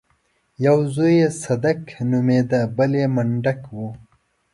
يو زوی يې صدک نومېده بل يې منډک و.